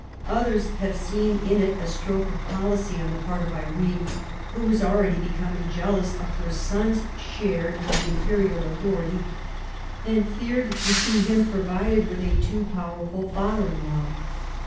Others have seen in it a stroke of pohcy on the part of Irene, who was already becoming jealous of her son's share in the Imperial authority, and feared to see him provided with a too powerful father in law.